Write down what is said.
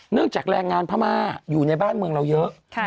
จากแรงงานพม่าอยู่ในบ้านเมืองเราเยอะ